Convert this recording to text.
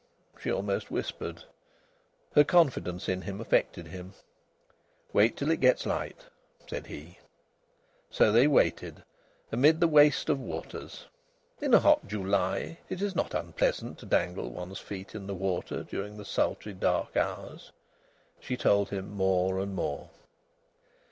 she almost whispered. Her confidence in him affected him. "Wait till it gets light," said he. So they waited, amid the waste of waters. In a hot July it is not unpleasant to dangle one's feet in water during the sultry dark hours. She told him more and more.